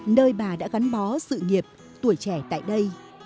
nơi bà đã gắn bó sự nghiệp tuổi trẻ tại đây